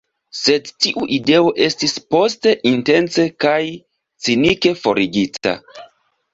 Sed tiu ideo estis poste intence kaj cinike forigita.